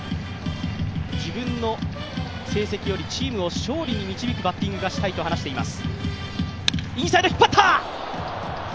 自分の成績よりチームを勝利に導くバッティングをしたいと話しています。